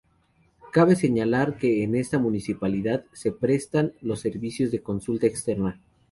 Cabe señalar que en esta municipalidad se prestan los servicios de consulta externa.